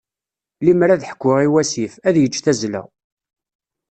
Lemmer ad ḥkuɣ i wasif, ad yeǧǧ tazzla.